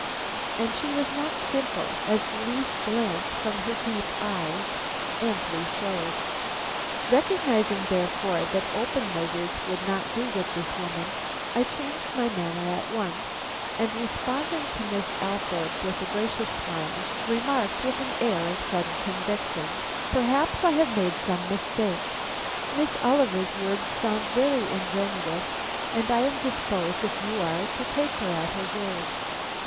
And she was not simple, as the least glance from her deep eyes amply showed. Recognizing, therefore, that open measures would not do with this woman, I changed my manner at once, and responding to Miss Althorpe, with a gracious smile, remarked with an air of sudden conviction: "Perhaps I have made some mistake. Miss Oliver's words sound very ingenuous, and I am disposed, if you are, to take her at her word.